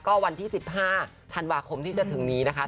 ก็วันที่๑๕ธันวาคมที่จะถึงนี้นะคะ